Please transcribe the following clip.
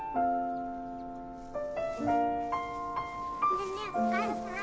ねえねえお母さん。